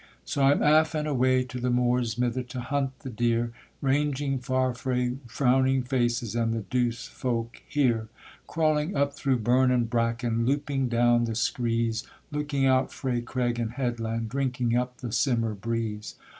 So I'm aff and away to the muirs, mither, to hunt the deer, Ranging far frae frowning faces, and the douce folk here; Crawling up through burn and bracken, louping down the screes, Looking out frae craig and headland, drinking up the simmer breeze.